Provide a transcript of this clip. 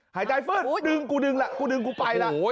หายใจเฟิลดึงกูดึงกูดึงกูไปละ